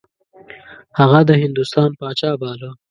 هغه د هندوستان پاچا باله.